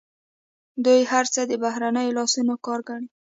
دوی هر څه د بهرنیو لاسونو کار ګڼي.